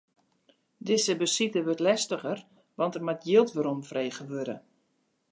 Dizze besite wurdt lestiger, want der moat jild weromfrege wurde.